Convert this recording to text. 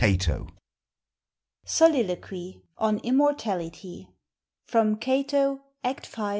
SOLILOQUY: ON IMMORTALITY. FROM "CATO," ACT V.